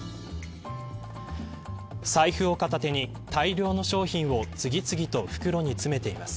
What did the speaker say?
財布を片手に、大量の商品を次々と袋に詰めています。